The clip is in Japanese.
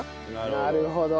なるほど。